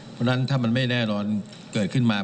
เพราะฉะนั้นถ้ามันไม่แน่นอนเกิดขึ้นมา